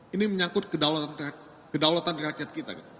ini menyangkut kedaulatan rakyat kita